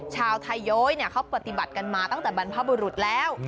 ชาวไทยยเขาปฏิบัติกันมาตั้งแต่บรรพบุรุษแล้ว